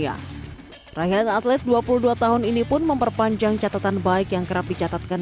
dan juga rekor dunia rakyat atlet dua puluh dua tahun ini pun memperpanjang catatan baik yang kerap dicatatkan